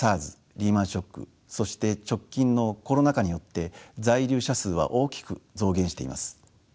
リーマンショックそして直近のコロナ禍によって在留者数は大きく増減しています。